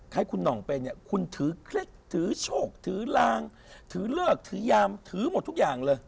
ให้คุณหน่องไปเนี่ยคุณถือเคล็ดถือโชคถือลางถือเลิกถือยามถือหมดทุกอย่างเลย